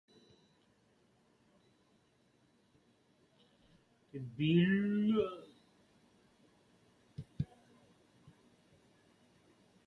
علیﮩا